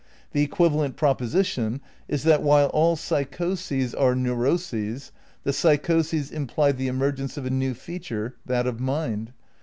The equivalent proposition is that while all psychoses are neuroses, the psychoses imply the emergence of a new feature, that of mind.